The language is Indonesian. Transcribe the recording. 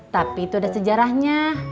tapi itu ada sejarahnya